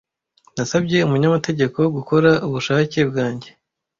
Nasabye umunyamategeko gukora ubushake bwanjye.